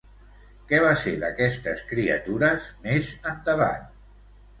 Què va ser d'aquestes criatures més endavant?